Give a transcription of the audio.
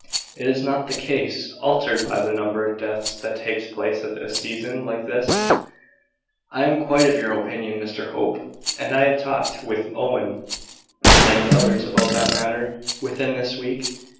Is not the case altered by the number of deaths that takes place at a season like this?" "I am quite of your opinion, Mr Hope; and I have talked with Owen, and many others, about that matter, within this week.